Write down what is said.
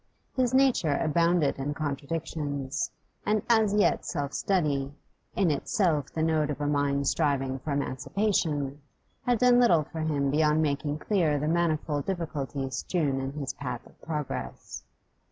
His nature abounded in contradictions, and as yet self study in itself the note of a mind striving for emancipation had done little for him beyond making clear the manifold difficulties strewn in his path of progress.